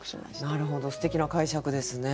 なるほどすてきな解釈ですね。